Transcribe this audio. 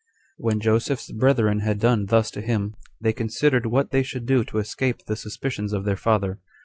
4. When Joseph's brethren had done thus to him, they considered what they should do to escape the suspicions of their father.